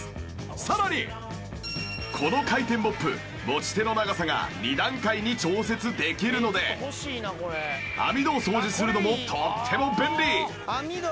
さらにこの回転モップ持ち手の長さが２段階に調節できるので網戸を掃除するのもとっても便利！